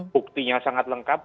buktinya sangat lengkap